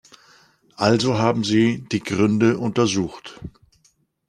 Also haben sie die Gründe untersucht.